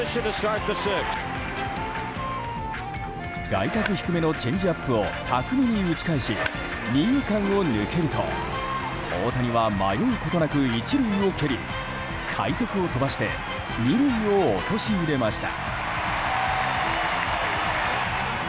外角低めのチェンジアップを巧みに打ち返し二遊間を抜けると大谷は迷うことなく１塁を蹴り快足を飛ばして２塁を陥れました。